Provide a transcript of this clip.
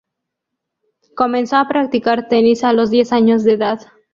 Comenzó a practicar tenis a los diez años de edad.